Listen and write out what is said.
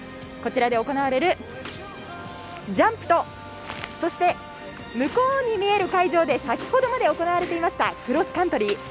こちらで行われるジャンプとそして向こうに見える会場で先ほどまで行われていましたクロスカントリー。